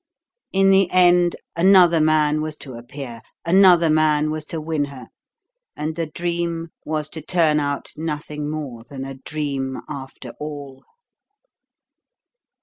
In the end, another man was to appear, another man was to win her, and the dream was to turn out nothing more than a dream after all.